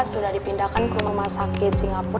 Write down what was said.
sudah dipindahkan ke rumah sakit singapura